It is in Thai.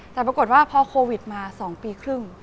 แต่ปรากฏว่าพอโควิดมา๒ปีครึ่ง